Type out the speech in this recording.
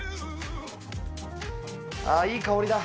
ああ、いい香りだ。